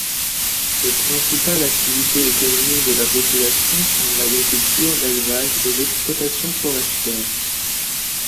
Les principales activités économiques de la population sont l'agriculture, l'élevage et l'exploitation forestière.